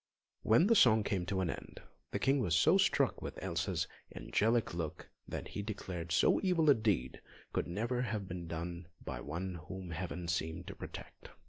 When the song came to an end, the King was so struck with Elsa's angelic look that he declared so evil a deed could never have been done by one whom Heaven seemed to protect.